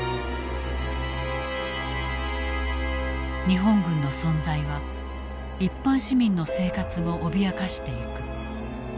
日本軍の存在は一般市民の生活も脅かしていく。